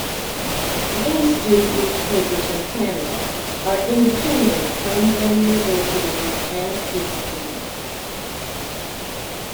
Many student newspapers in Canada are independent from their universities and student unions.